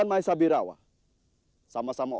bryr kita bersama kamu